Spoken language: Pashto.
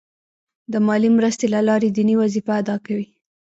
د مالي مرستې له لارې دیني وظیفه ادا کوي.